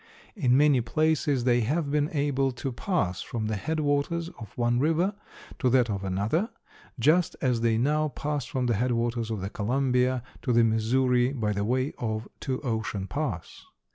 In many places they have been able to pass from the head waters of one river to that of another, just as they now pass from the head waters of the Columbia to the Missouri by the way of Two Ocean Pass.